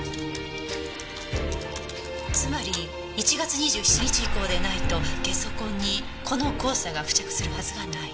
つまり１月２７日以降でないとゲソ痕にこの黄砂が付着するはずがない。